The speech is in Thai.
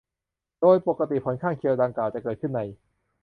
โดยปกติผลข้างเคียงดังกล่าวจะเกิดขึ้นใน